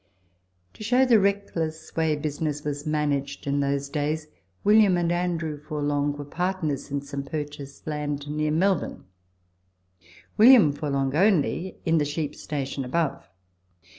To show the reckless way business was managed in those days, William and Andrew Forlouge were partners in some purchased land near Melbourne; W. Forlonge only, in the sheep station above.